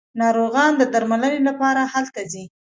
ناروغان د درملنې لپاره هلته ځي.